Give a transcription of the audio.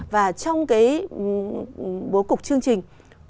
và trong cái bố cục chương trình